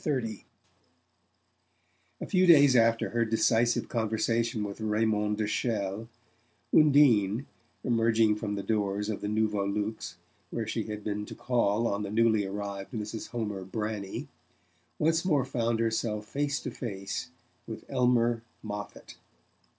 XXX A few days after her decisive conversation with Raymond de Chelles, Undine, emerging from the doors of the Nouveau Luxe, where she had been to call on the newly arrived Mrs. Homer Branney, once more found herself face to face with Elmer Moffatt.